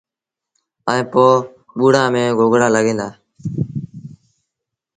ائيٚݩ پو ٻُوڙآݩ ميݩ گوگڙآ لڳيٚن دآ